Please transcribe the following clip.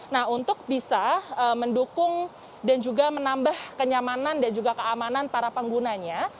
nah untuk bisa mendukung dan juga menambah kenyamanan dan juga keamanan para penggunanya